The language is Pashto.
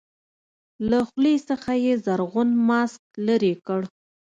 له خولې څخه يې زرغون ماسک لرې کړ.